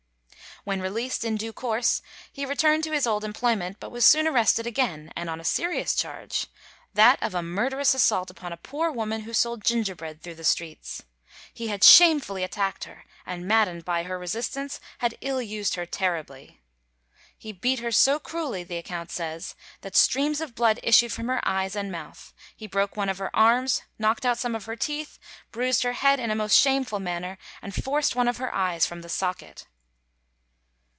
When released, in due course he returned to his old employment, but was soon arrested again, and on a serious charge—that of a murderous assault upon a poor woman who sold gingerbread through the streets. He had shamefully attacked her, and maddened by her resistance, had ill used her terribly. "He beat her so cruelly," the account says, "that streams of blood issued from her eyes and mouth; he broke one of her arms, knocked out some of her teeth, bruised her head in a most shameful manner, and forced one of her eyes from the socket."